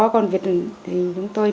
con vịt thì chúng tôi